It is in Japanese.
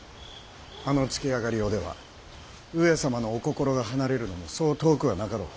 あのつけあがりようでは上様のお心が離れるのもそう遠くはなかろう。